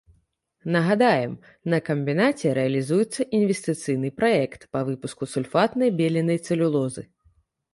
Нагадаем, на камбінаце рэалізуецца інвестыцыйны праект па выпуску сульфатнай беленай цэлюлозы.